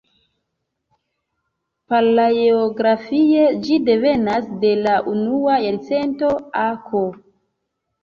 Palaoegrafie ĝi devenas de la unua jarcento a.K.